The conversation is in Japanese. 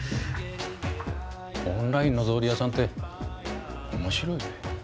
オンラインの草履屋さんって面白いね。